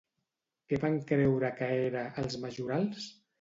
Què van creure que era, els majorals?